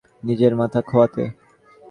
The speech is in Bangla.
নিজের মাথা খোয়াতে!